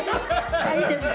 いいですよ。